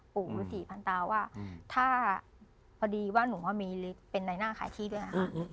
ปู่๑๔๐๐๐ตาว่าถ้าพอดีว่าหนูว่ามีหรือเป็นในน่าขายที่ด้วยนะคะ